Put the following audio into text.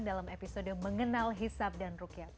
dalam episode mengenal hisap dan rukyat